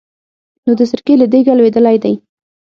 نو د سرکې له دېګه لوېدلی دی.